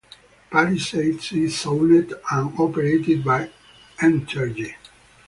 Palisades is owned and operated by Entergy.